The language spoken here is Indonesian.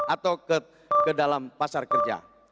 atau ke dalam pasar kerja